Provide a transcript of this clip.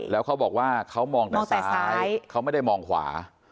แล้วเขาบอกว่าเขามองทางซ้ายเขาไม่ได้มองขวา